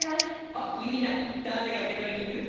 あっ郵便だ誰が受け取りに行く？